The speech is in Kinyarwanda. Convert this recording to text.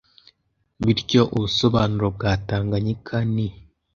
Bityo ubusobanuro bwa Tanganyika ni